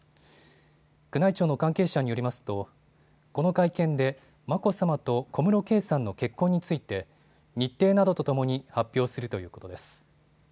宮内庁の関係者によりますとこの会見で眞子さまと小室圭さんの結婚について日程などとともに発表するということです。